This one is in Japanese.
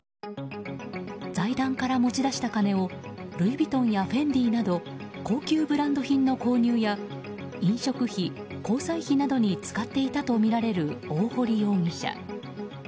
財団から持ち出した金をルイ・ヴィトンやフェンディなど高級ブランド品の購入や飲食費、交際費などに使っていたとみられる大堀容疑者。